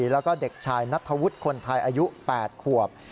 แล้วก็เด็กชายนัทธวุฒิคนไทยอายุ๘ขวบ